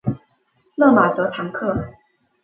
勒马德唐克。